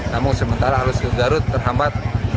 namun sementara arus garut terhambat